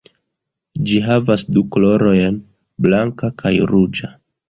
Ĝi havas du kolorojn: blanka kaj ruĝa.